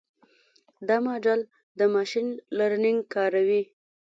دا ماډل د ماشین لرنګ کاروي.